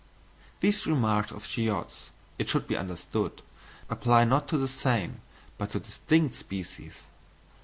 These remarks of Schiödte's it should be understood, apply not to the same, but to distinct species.